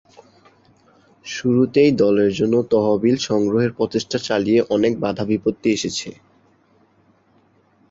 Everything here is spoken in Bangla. শুরুতেই দলের জন্য তহবিল সংগ্রহের প্রচেষ্টা চালিয়ে অনেক বাধা বিপত্তি এসেছে।